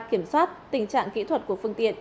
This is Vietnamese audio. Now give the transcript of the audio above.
kiểm soát tình trạng kỹ thuật của phương tiện